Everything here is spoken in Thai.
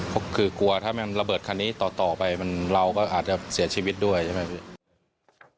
ก็คือกลัวถ้ามันระเบิดคันนี้ต่อไปเราก็อาจจะเสียชีวิตด้วยใช่ไหมพี่